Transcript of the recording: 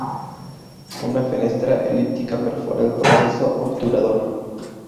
Una fenestra elíptica perfora el proceso obturador.